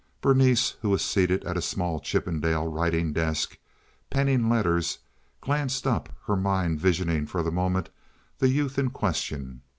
Berenice, who was seated at a small Chippendale writing desk penning letters, glanced up, her mind visioning for the moment the youth in question.